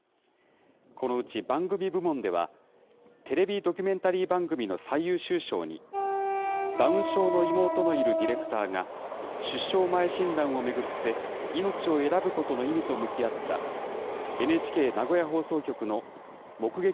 このうち番組部門では、テレビドキュメンタリー番組の最優秀賞にダウン症の妹のいるディレクターが、出生前診断を巡って命を選ぶことの意味と向き合った、ＮＨＫ名古屋放送局の目撃！